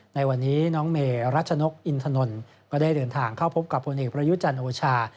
ในวันนี้น้องเมรัชนกอินทนนท์ก็ได้เดินทางเข้าพบกับพลเอกประยุจันทร์โอชา